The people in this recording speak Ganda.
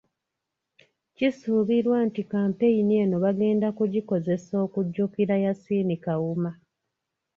Kisubiirwa nti kampeyini eno bagenda kugikozesa okujjukira Yasin Kawuma.